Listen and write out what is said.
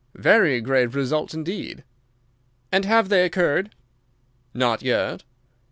"Very grave results indeed." "And have they occurred?" "Not yet."